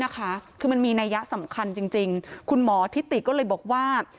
คือมันมีนัยยะสำคัญจริงคุณหมอทิติก็เลยบอกว่า